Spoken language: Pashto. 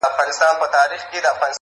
ورانوي هره څپه یې د مړو د بګړۍ ولونه.!.!